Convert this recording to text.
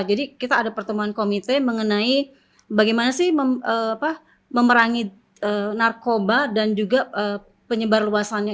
jadi kita ada pertemuan komite mengenai bagaimana sih memerangi narkoba dan juga penyebar luasannya